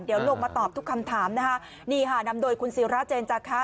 เดี๋ยวลงมาตอบทุกคำถามนะคะนี่ค่ะนำโดยคุณศิราเจนจาคะ